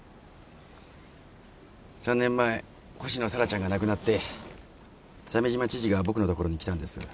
３年前星野沙羅ちゃんが亡くなって鮫島知事が僕の所に来たんです。